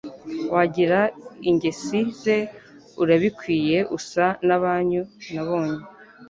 Wagira ingesi ze urabikwiye usa n'abanyu nabonye